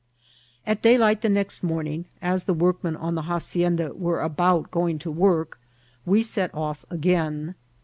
At daylight the next morning, as the workmen am the hacienda were about going to work, we set off again.